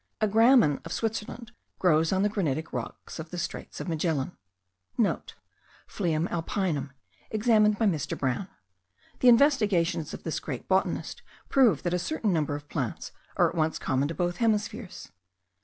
A gramen of Switzerland grows on the granitic rocks of the straits of Magellan.* (* Phleum alpinum, examined by Mr. Brown. The investigations of this great botanist prove that a certain number of plants are at once common to both hemispheres.